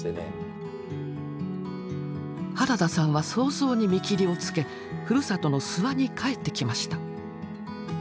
原田さんは早々に見切りをつけふるさとの諏訪に帰ってきました。